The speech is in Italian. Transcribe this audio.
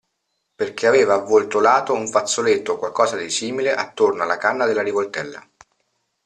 Perché aveva avvoltolato un fazzoletto o qualcosa di simile attorno alla canna della rivoltella.